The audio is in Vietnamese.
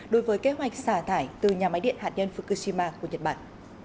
đối với kế hoạch xả thải từ nhà máy điện hạt nhân fukushima của nhật bản